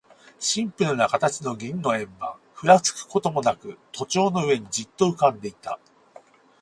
シンプルな形の銀の円盤、ふらつくこともなく、都庁の上にじっと浮んでいた。